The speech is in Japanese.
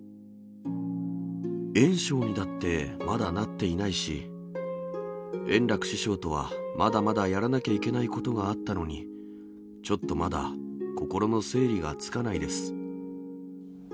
圓生にだってまだなっていないし、円楽師匠とはまだまだやらなきゃいけないことがあったのに、ちょっとまだ心の整理がつかないです。